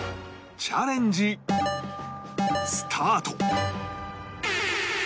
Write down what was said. チャレンジスタート